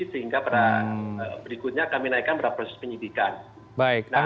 sehingga pada berikutnya kami naikkan pada proses penyidikan